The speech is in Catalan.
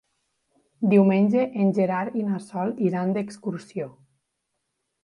Diumenge en Gerard i na Sol iran d'excursió.